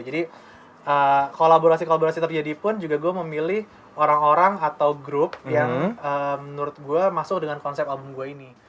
jadi kolaborasi kolaborasi terjadi pun juga gue memilih orang orang atau grup yang menurut gue masuk dengan konsep album gue ini